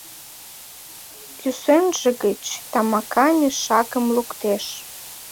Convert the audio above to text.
Кӱсенже гыч тамака мешакым луктеш.